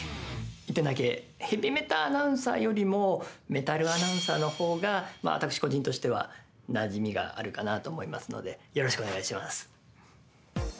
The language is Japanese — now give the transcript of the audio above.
１点だけヘビメタアナウンサーよりもメタルアナウンサーの方が私個人としてはなじみがあるかなと思いますのでよろしくお願いします。